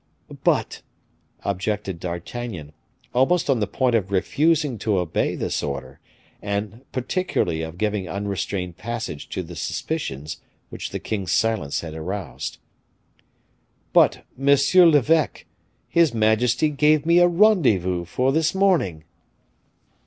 "But," objected D'Artagnan, almost on the point of refusing to obey this order, and particularly of giving unrestrained passage to the suspicions which the king's silence had aroused "but, monsieur l'eveque, his majesty gave me a rendezvous for this morning."